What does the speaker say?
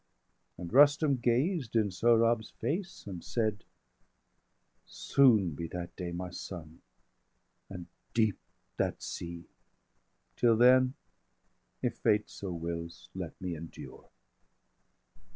And Rustum gazed in Sohrab's face, and said: 835 "Soon be that day, my son, and deep that sea! Till then, if fate so wills, let me endure."